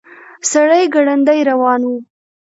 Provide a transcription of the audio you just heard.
سړی ګړندي روان و.